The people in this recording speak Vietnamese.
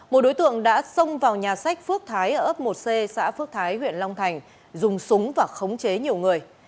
một đối tượng đã xông vào nhà sách phước thái ở ấp một c xã phước thái huyện long thành dùng súng và khống chế nhiều người